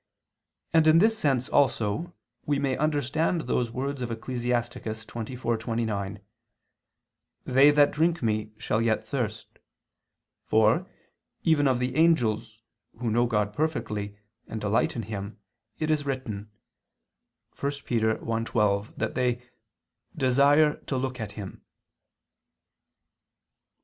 And in this sense also we may understand those words of Ecclus. 24:29: "They that drink me shall yet thirst": for, even of the angels, who know God perfectly, and delight in Him, it is written (1 Pet. 1:12) that they "desire to look at Him."